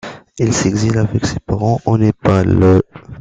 Il s'exile avec ses parents au Népal.